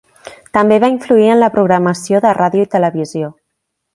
També va influir en la programació de ràdio i televisió.